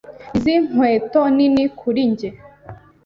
Izi nkweto nini kuri njye.